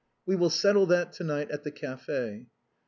" We will settle that to night at the café."